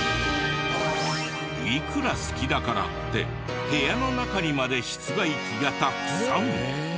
いくら好きだからって部屋の中にまで室外機がたくさん！